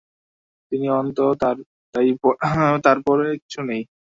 তিনি অন্ত, তাই তার পরে কিছু নেই।